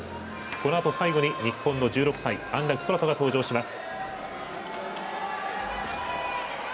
このあと最後に日本の１６歳安楽宙斗が登場します。